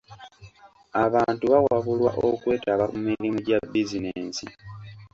Abantu bawabulwa okwetaba mu mirimu gya bizinensi.